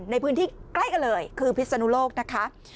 ในพื้นที่ใกล้กันเลยคือพิศนุโลกนะคะ